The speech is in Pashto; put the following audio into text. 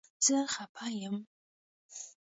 زه خپه یم